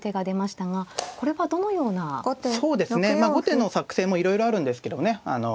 まあ後手の作戦もいろいろあるんですけどもね